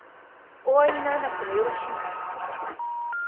お会いにならなくてもよろしいのですか。